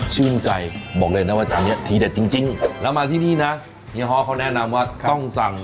ชื่นใจบอกเลยนะว่าจานนี้ทีเด็ดจริงแล้วมาที่นี่นะเฮียฮ้อเขาแนะนำว่าต้องสั่ง